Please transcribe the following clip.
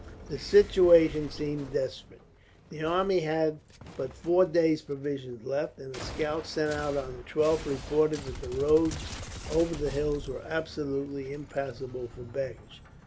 The situation seemed desperate. The army had but four days' provisions left, and a scout sent out on the 12th reported that the roads over the hills were absolutely impassable for baggage.